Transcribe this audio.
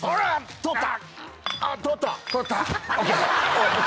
通った。